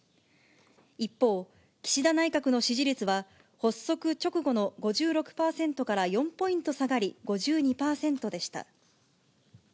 一方、岸田内閣の支持率は、発足直後の５６％から４ポイント下がり、５２％でした。